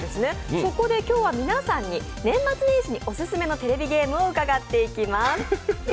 そこで今日は皆さんに年末年始にオススメのテレビゲームを伺っていきます。